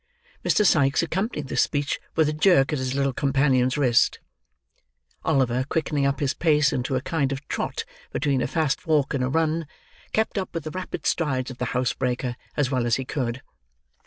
Mr. Sikes accompanied this speech with a jerk at his little companion's wrist; Oliver, quickening his pace into a kind of trot between a fast walk and a run, kept up with the rapid strides of the house breaker as well as he could.